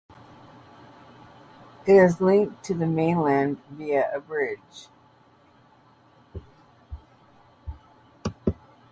It is linked to the mainland via a bridge.